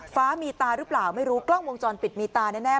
ฟ้ามีตาหรือเปล่าไม่รู้กล้องวงจรปิดมีตาแน่